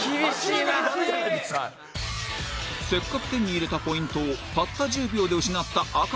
せっかく手に入れたポイントをたった１０秒で失った赤チーム